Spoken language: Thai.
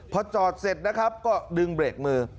พอจอดเสร็จนะครับก็ดึงเบรกมือ